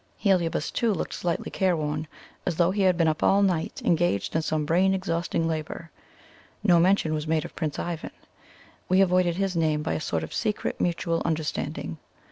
Heliobas, too, looked slightly careworn, as though he had been up all night, engaged in some brain exhausting labour. No mention was made of Prince Ivan; we avoided his name by a sort of secret mutual understanding.